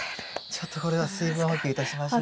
ちょっとこれは水分補給いたしましょう。